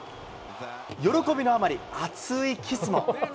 喜びのあまり、熱いキスも。